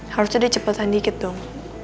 harusnya dia cepetan dikit dong